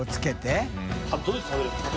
淵好織奪奸どうやって食べるんですか？